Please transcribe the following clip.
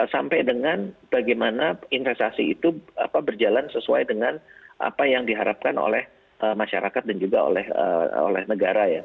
sampai dengan bagaimana investasi itu berjalan sesuai dengan apa yang diharapkan oleh masyarakat dan juga oleh negara ya